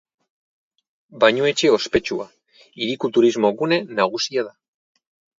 Bainuetxe ospetsua, hiriko turismo-gune nagusia da.